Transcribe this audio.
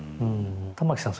玉木さん